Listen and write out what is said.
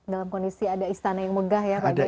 dalam kondisi ada istana yang megah ya